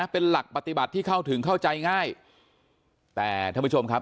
เป็นหลักปฏิบัติที่เข้าถึงเข้าใจง่ายแต่ท่านผู้ชมครับ